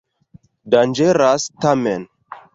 Danĝeras tamen.